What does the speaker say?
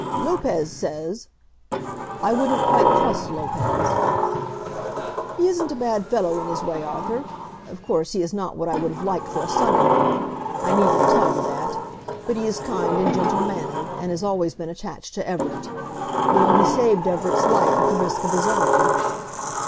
"Lopez says " "I wouldn't quite trust Lopez." "He isn't a bad fellow in his way, Arthur. Of course he is not what I would have liked for a son in law. I needn't tell you that. But he is kind and gentle mannered, and has always been attached to Everett. You know he saved Everett's life at the risk of his own."